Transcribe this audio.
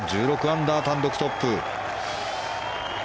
１６アンダー、単独トップ。